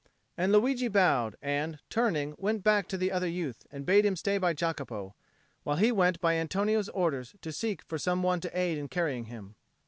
And Luigi bowed, and, turning, went back to the other youth, and bade him stay by Jacopo, while he went by Antonio's orders to seek for some one to aid in carrying him.